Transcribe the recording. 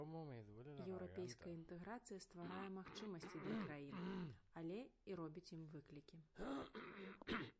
Еўрапейская інтэграцыя стварае магчымасці для краін, але і робіць ім выклікі.